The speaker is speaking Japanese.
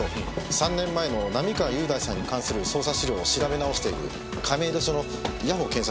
３年前の並河優大さんに関する捜査資料を調べ直している亀戸署の谷保健作。